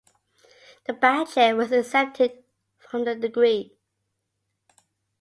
The "badchen" was exempted from the decree.